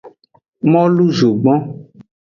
Molu zogbon.